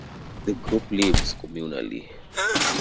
The group lives communally.